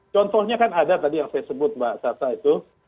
contohnya kan ada tadi yang saya sebut mbak sata itu